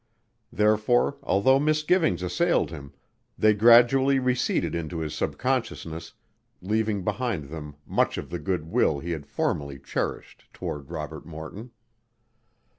Therefore, although misgivings assailed him, they gradually receded into his subconsciousness, leaving behind them much of the good will he had formerly cherished toward Robert Morton.